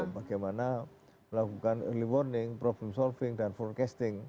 bagaimana melakukan early warning problem solving dan forecasting